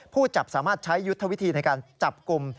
ผู้จับสามารถใช้ยุทธวิธีในการจับกลุ่ม